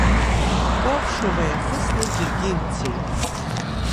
Ковшова иахысны џьаргьы имцеит.